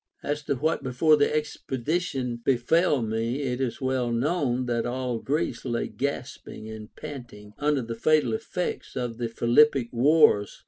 As to Avhat before the expedition befell me, it is Avell knoAvn that all Greece lay gasping and panting under the fatal effects of the Philippic wars.